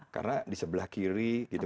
karena di sebelah kiri gitu kan